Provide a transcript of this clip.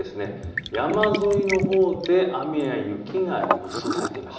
山沿いのほうで雨や雪が予想されています。